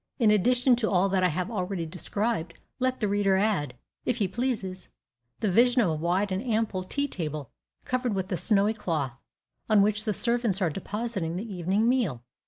In addition to all that I have already described, let the reader add, if he pleases, the vision of a wide and ample tea table, covered with a snowy cloth, on which the servants are depositing the evening meal.